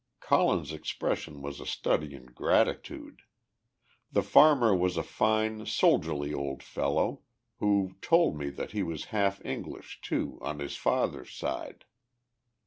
Colin's expression was a study in gratitude. The farmer was a fine, soldierly old fellow, who told me that he was half English, too, on his father's side.